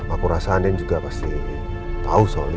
aku rasa anda juga pasti tahu soal ini